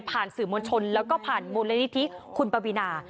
ผ่านสื่อมวลชนแล้วก็ผ่านมลัยนิธิคุณประวินา